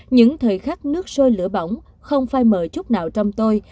những thời khắc nước sôi lửa bỏng không phai mờ chút nào trong tôi